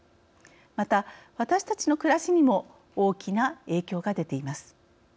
また、私たちの暮らしにも大きな影響が出ています。